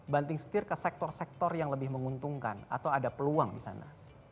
banting setir ke sektor sektor yang lebih menguntungkan atau ada peluang di sana